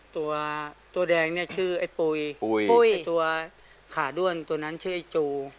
ตัวตัวแดงเนี่ยชื่อไอ้ปุ๋ยปุ๋ยตัวขาด้วนตัวนั้นชื่อไอ้จู